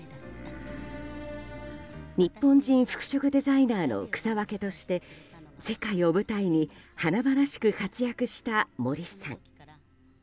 日本人服飾デザイナーの草分けとして世界を舞台に華々しく活躍した森さん。